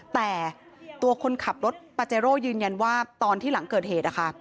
แต่ตัวคนขับรถปาเจโร่ยืนยันว่าตอนที่หลังเกิดเหตุนะคะ